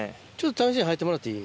試しに入ってもらっていい？